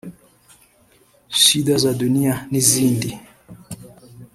“Shida za Dunia” n’izindi